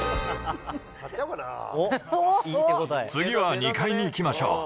次は２階に行きましょう。